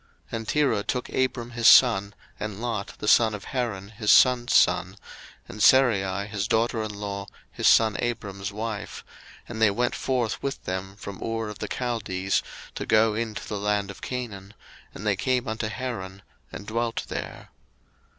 01:011:031 And Terah took Abram his son, and Lot the son of Haran his son's son, and Sarai his daughter in law, his son Abram's wife; and they went forth with them from Ur of the Chaldees, to go into the land of Canaan; and they came unto Haran, and dwelt there.